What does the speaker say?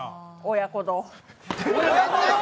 親子丼。